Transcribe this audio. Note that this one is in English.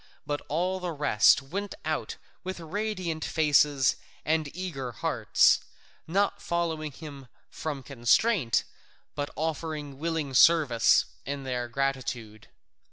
But all the rest went out with radiant faces and eager hearts, not following him from constraint, but offering willing service in their gratitude.